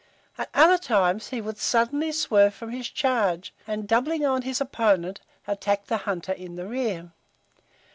At other times, he would suddenly swerve from his charge, and doubling on his opponent, attack the hunter in the rear.